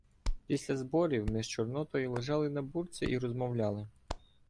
Після зборів ми з Чорнотою лежали на бурці і розмовляли.